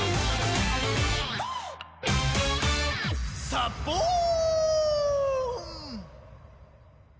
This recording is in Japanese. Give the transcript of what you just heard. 「サボーン！」